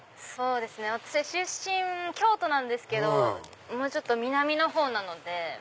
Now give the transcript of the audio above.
私出身京都なんですけどもうちょっと南のほうなので。